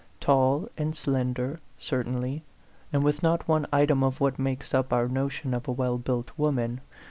Tall and slender, certainly, and with not one item of what makes up our notion of a well built woman.